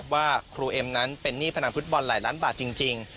ว่าครูเอ็มนั้นเป็นหนี้พนันฟุตบอลหลายล้านบาทจริง